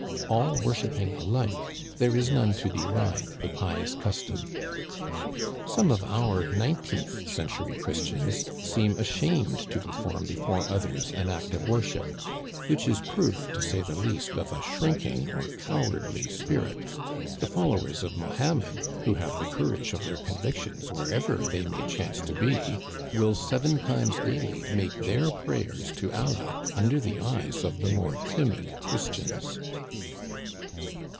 All worshiping alike, there is none to deride the pious custom. Some of our nineteenth century Christians seem ashamed to perform before others an act of worship ; which is proof, to say the least, of a shrinking or cow ardly spirit. The followers of Mohammed, who have the courage of their convictions wherever they may chance to be, will seven times daily make their prayers to Allah under the eyes of the more timid Christians.